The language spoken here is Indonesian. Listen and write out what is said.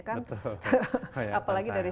kan betul apalagi dari